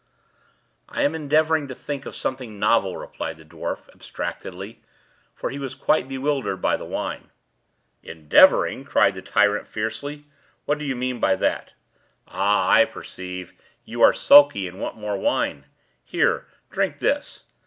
"I am endeavoring to think of something novel," replied the dwarf, abstractedly, for he was quite bewildered by the wine. "Endeavoring!" cried the tyrant, fiercely; "what do you mean by that? Ah, I perceive. You are sulky, and want more wine. Here, drink this!"